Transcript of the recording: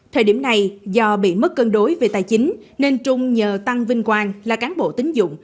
thời điểm này do bị mất cân đối về tài chính nên trung nhờ tăng vinh quang là cán bộ tính dụng